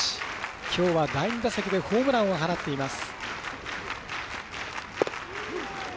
きょうは第２打席でホームランを放っています。